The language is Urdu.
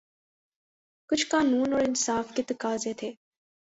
کچھ قانون اور انصاف کے تقاضے تھے۔